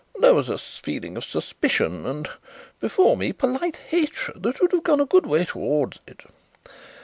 "There was a feeling of suspicion and before me polite hatred that would have gone a good way towards it.